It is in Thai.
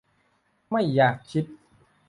ไม่อยากคิด